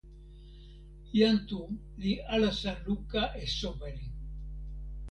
jan Tu li alasa luka e soweli.